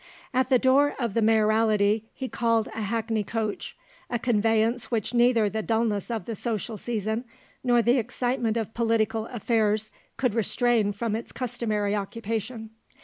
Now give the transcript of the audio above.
At the door of the Mayoralty he called a hackney coach, a conveyance which neither the dulness of the social season nor the excitement of political affairs could restrain from its customary occupation.